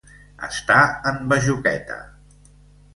Estar en bajoqueta.